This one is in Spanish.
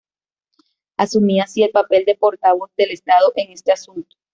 Asumía así el papel de portavoz del Estado en este asunto.